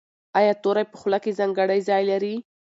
ایا توری په خوله کې ځانګړی ځای لري؟